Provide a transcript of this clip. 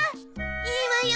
いいわよ